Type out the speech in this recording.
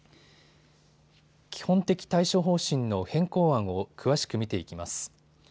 基本的対処方針の変更案を詳しく見ていきます。